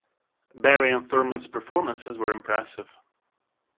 Barry and Thurmond's performances were impressive.